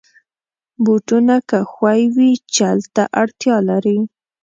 بوټونه که ښوی وي، چل ته اړتیا لري.